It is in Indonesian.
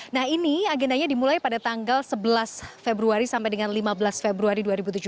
nah ini agendanya dimulai pada tanggal sebelas februari sampai dengan lima belas februari dua ribu tujuh belas